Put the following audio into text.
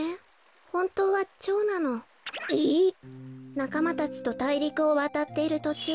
なかまたちとたいりくをわたっているとちゅう